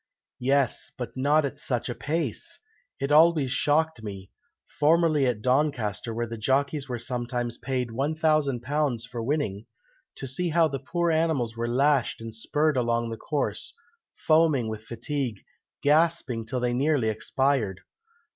"Yes, but not at such a pace! It always shocked me formerly at Doncaster, where the jockeys were sometimes paid £1000 for winning to see how the poor animals were lashed and spurred along the course, foaming with fatigue, gasping till they nearly expired.